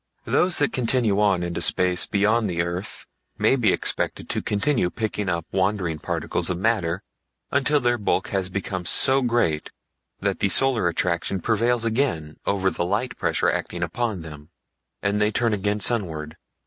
Those that continue on into space beyond the earth may be expected to continue picking up wandering particles of matter until their bulk has become so great that the solar attraction prevails again over the light pressure acting upon them, and they turn again sunward.